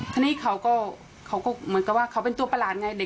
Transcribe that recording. ทีนี้เขาก็เหมือนกับว่าเขาเป็นตัวประหลาดไงเด็ก